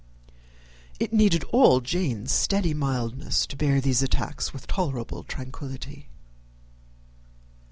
It needed all Jane's steady mildness to bear these attacks with tolerable tranquillity.